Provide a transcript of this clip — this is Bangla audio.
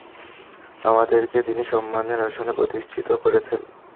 আমাদেরকে তিনি সম্মানের আসনে প্রতিষ্ঠিত করেছেন।